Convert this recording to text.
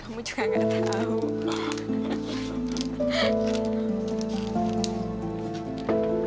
kamu juga gak tau